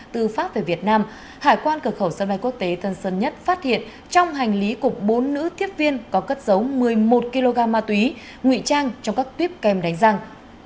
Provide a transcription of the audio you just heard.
từ pháp về việt nam hải quan cửa khẩu sân bay quốc tế tân sơn nhất phát hiện trong hành lý của bốn nữ tiếp viên có cất giấu một mươi một kg ma túy nguy trang trong các tuyếp kèm đánh răng